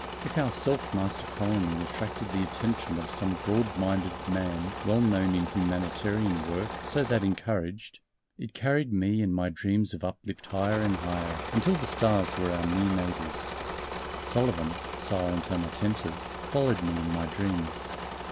If our Self Master Colony attracted the attention of some broad minded man well known in humanitarian work so that encouraged, it carried me and my dreams of uplift higher and higher until the stars were our near neighbors Sullivan, silent and attentive, followed me in my dreams.